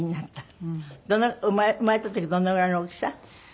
生まれた時どのぐらいの大きさ？